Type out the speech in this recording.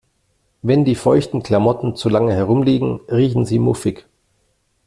Wenn die feuchten Klamotten zu lange herumliegen, riechen sie muffig.